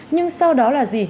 nhưng sau đó là gì